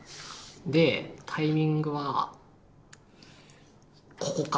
でタイミングはここか。